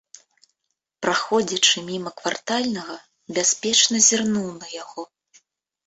Праходзячы міма квартальнага, бяспечна зірнуў на яго.